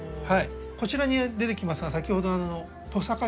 こちらに出てきますのが先ほどのトサカ